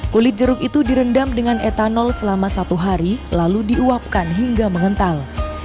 kulit jeruk itu direndam dengan etanol selama satu hari lalu diuapkan hingga mengental